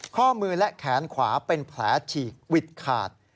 ข้อมือและแขนขวาเป็นแผลฉีกวิดขาด